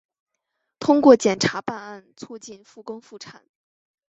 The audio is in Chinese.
通过检察办案促进复工复产